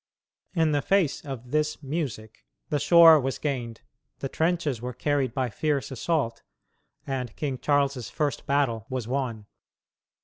In the face of this "music" the shore was gained, the trenches were carried by fierce assault and King Charles's first battle was won.